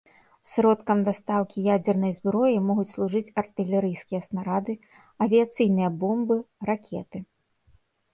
Сродкам дастаўкі ядзернай зброі могуць служыць артылерыйскія снарады, авіяцыйныя бомбы, ракеты.